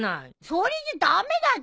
それじゃ駄目だって！